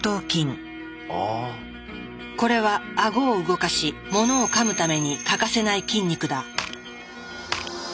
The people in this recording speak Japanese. これはあごを動かしものを噛むために欠かせない筋肉だ。